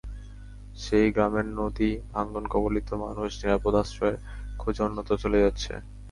সেই গ্রামের নদী ভাঙনকবলিত মানুষ নিরাপদ আশ্রয়ের খোঁজে অন্যত্র চলে যাচ্ছে।